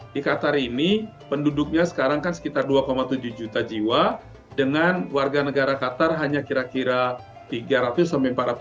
di qatar ini penduduknya sekarang kan sekitar dua tujuh juta jiwa dengan warga negara qatar hanya kira kira tiga ratus sampai empat ratus